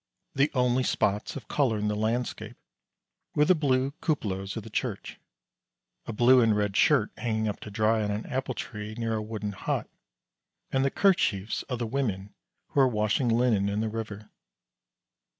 The only spots of colour in the landscape were the blue cupolas of the church; a blue and red shirt hanging up to dry on an apple tree near a wooden hut, and the kerchiefs of the women who were washing linen in the river.